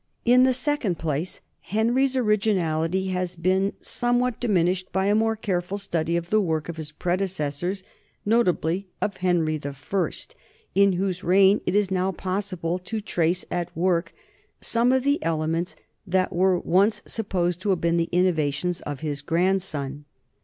In the second place, Henry's originality has been some what diminished by a more careful study of the work of his predecessors, notably of Henry I, in whose reign it is now possible to trace at work some of the elements that were once supposed to have been innovations of his grandson.